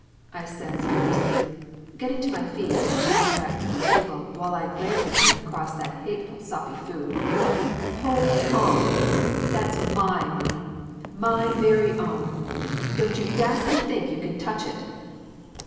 I says fiercely, getting to my feet and shoving back from the table while I glared at him across that hateful soppy food. "Hold on that's my money my very own. Don't you dast to think you can touch it!"